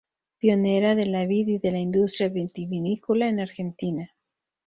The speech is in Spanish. Pionera de la vid y de la industria vitivinícola en Argentina.